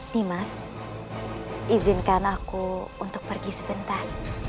dimas izinkan aku untuk pergi sebentar